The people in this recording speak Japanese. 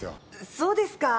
そうですか？